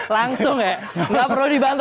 langsung ya nggak perlu dibantu